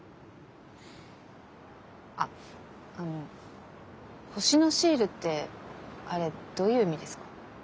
あっあの星のシールってあれどういう意味ですか？